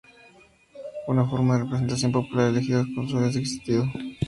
Una forma de representación popular elegidos cónsules existido.